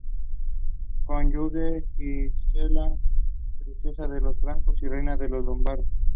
Cónyuge: Gisela: Princesa de los Francos y Reina de los Lombardos.